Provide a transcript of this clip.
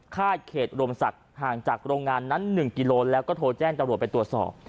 ค่ายเขตรมศักดิ์ห่างจากโรงงานนั้น๑กิโลแล้วก็โทรแจ้งตำรวจไปตรวจสอบ